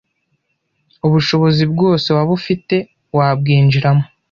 ubushobozi bwose waba ufite wabwinjiramo